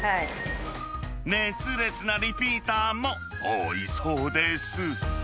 熱烈なリピーターも多いそうです。